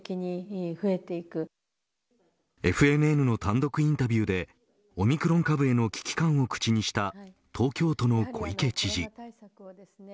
ＦＮＮの単独インタビューでオミクロン株への危機感を口にした東京都の小池知事。